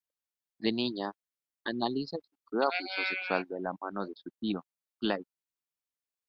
De niña, Annalise sufrió abusos sexuales de la mano de su tío, Clyde.